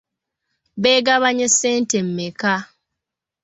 Beegabanya ssente mmeka?